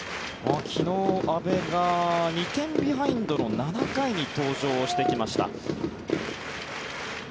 昨日、阿部が２点ビハインドの７回に登場してきました。